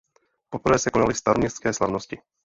Poprvé se konaly Staroměstské slavnosti.